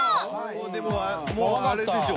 もうでももうあれでしょ。